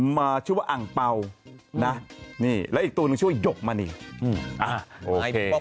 มาชื่อว่าอังเป่าแล้วอีกตัวหนึ่งชื่อว่าหยกมันอีก